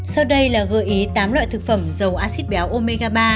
sau đây là gợi ý tám loại thực phẩm dầu acid béo omega ba